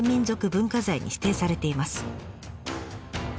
文化財に指定されています。